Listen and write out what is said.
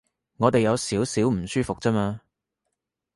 我哋有少少唔舒服啫嘛